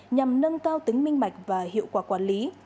nhằm nâng cao tính minh mạch và hiệu quả quản lý